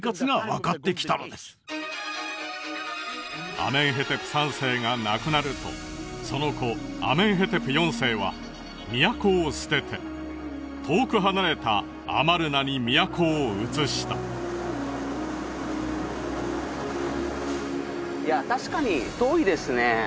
アメンヘテプ３世が亡くなるとその子アメンヘテプ４世は都を捨てて遠く離れたアマルナに都を移したいや確かに遠いですね